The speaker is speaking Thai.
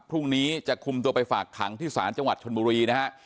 พรุ่งนี้จะคุมตัวไปฝากขังที่ศาลจังหวัดชนบุรีนะฮะ